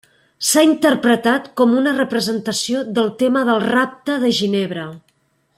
S'ha interpretat com una representació del tema del rapte de Ginebra.